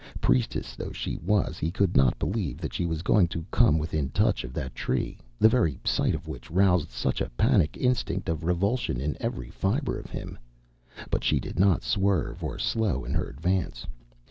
Priestess though she was, he could not believe that she was going to come within touch of that Tree the very sight of which roused such a panic instinct of revulsion in every fiber of him. But she did not swerve or slow in her advance.